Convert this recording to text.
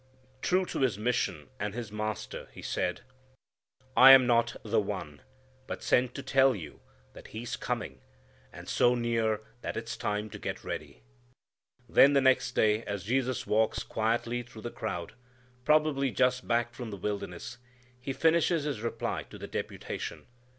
True to his mission and his Master, he said, "I am not the One, but sent to tell you that He's coming, and so near that it's time to get ready." Then the next day, as Jesus walks quietly through the crowd, probably just back from the wilderness, he finishes his reply to the deputation.